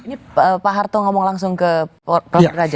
ini pak harto ngomong langsung ke prof raja